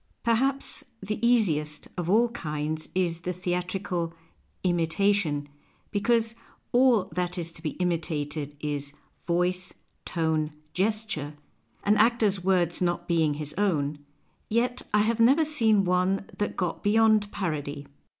Perhaps the easiest of all kinds is the theatrical " imitation," because all that is to be imitated is voice, tone, gesture — an actor's words not being his own — yet 1 have never seen one that got beyond parody.